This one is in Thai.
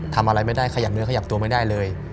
ทำอะไรไม่ได้ขยับเนื้อขยับตัวไม่ได้เลย